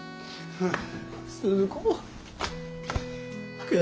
はあ？